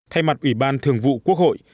thay mặt ủy ban thường vụ quốc hội